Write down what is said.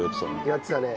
やってたね。